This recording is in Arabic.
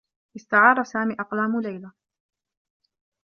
استعار سامي أقلام ليلى.